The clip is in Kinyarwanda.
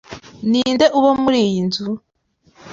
Ninde uba muri iyi nzu?